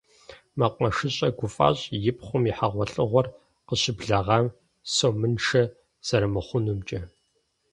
МэкъумэшыщӀэр гуфӀащ, и пхъум и хьэгъуэлӀыгъуэр къыщыблагъэм сомыншэ зэрымыхъунумкӀэ.